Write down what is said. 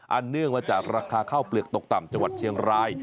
เนื่องมาจากราคาข้าวเปลือกตกต่ำจังหวัดเชียงราย